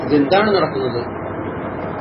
ഇതെന്താണ് നടക്കുന്നത്